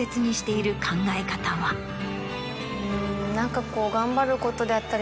うん何かこう。